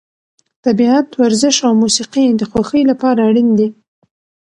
طبیعت، ورزش او موسیقي د خوښۍ لپاره اړین دي.